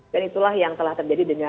dan itulah yang telah terjadi dengan